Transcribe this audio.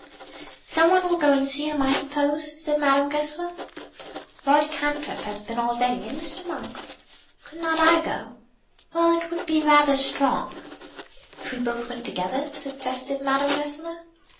"Some one will go and see him, I suppose," said Madame Goesler. "Lord Cantrip has been already, and Mr. Monk." "Could not I go?" "Well, it would be rather strong." "If we both went together?" suggested Madame Goesler.